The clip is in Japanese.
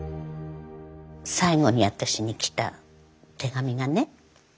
最後に私に来た手紙がね